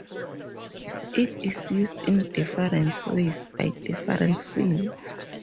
It is used in different ways by different fields.